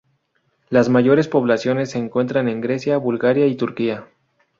Las mayores poblaciones se encuentran en Grecia, Bulgaria y Turquía.